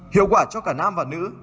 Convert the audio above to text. hiệu quả cho cả nam và nữ